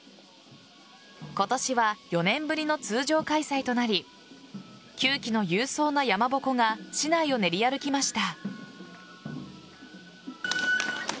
今年は４年ぶりの通常開催となり９基の勇壮な山鉾が市内を練り歩きました。